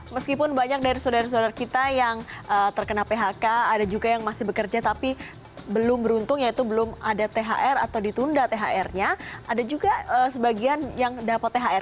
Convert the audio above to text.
meskipun banyak dari saudara saudara kita yang terkena phk ada juga yang masih bekerja tapi belum beruntung yaitu belum ada thr atau ditunda thr nya ada juga sebagian yang dapat thr